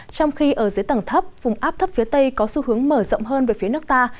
trong khi ở dưới tầng thấp vùng áp thấp phía tây có xu hướng mở rộng hơn về phía nước ta